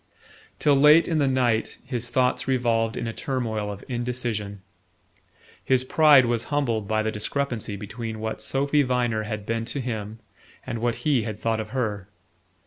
Till late in the night his thoughts revolved in a turmoil of indecision. His pride was humbled by the discrepancy between what Sophy Viner had been to him and what he had thought of her.